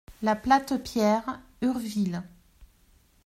La Platte Pierre, Urville